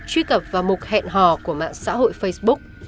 truy cập vào mục hẹn hò của mạng xã hội facebook